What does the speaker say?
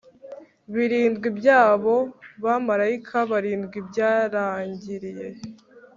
birindwi by abo bamarayika barindwi byarangiriye